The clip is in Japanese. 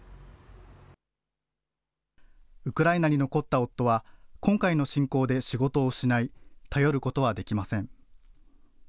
ウクライナに残った夫は、今回の侵攻で仕事を失い、頼ることはできません。